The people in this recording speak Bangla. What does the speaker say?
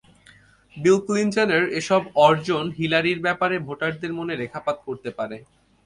বিল ক্লিনটনের এসব অর্জন হিলারির ব্যাপারে ভোটারদের মনে রেখাপাত করতে পারে।